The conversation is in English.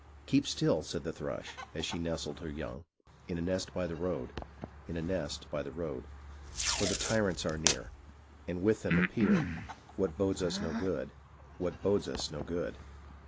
" Keep still !" said the thrush, as she nestled her young, In a nest by the road, in a nest by the road. " For the tyrants are near, and with them appear. What bodes us no good, what. bodes us no good."